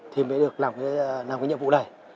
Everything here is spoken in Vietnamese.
thì mới được làm cái nhiệm vụ này